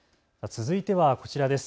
続いてはこちらです。